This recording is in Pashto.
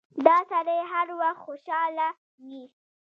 دا سړی هر وخت خوشاله وي.